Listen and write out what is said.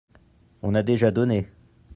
On a déjà donné